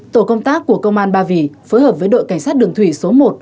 tổ công tác của công an ba vì phối hợp với đội cảnh sát đường thủy số một